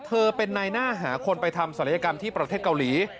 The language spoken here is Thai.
เธอเป็นนายหน้าหาคนไปทำศัลยกรรมที่ประเทศเกาหลี